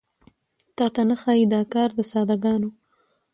تاته نه ښايي دا کار د ساده ګانو